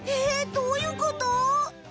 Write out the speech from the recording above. えどういうこと？